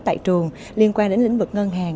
tại trường liên quan đến lĩnh vực ngân hàng